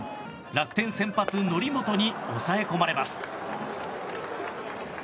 楽天先発則本に抑え込まれます。